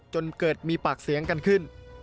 จนเกิดมีปากเสียงกันขึ้น